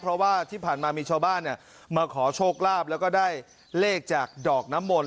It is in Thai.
เพราะว่าที่ผ่านมามีชาวบ้านมาขอโชคลาภแล้วก็ได้เลขจากดอกน้ำมนต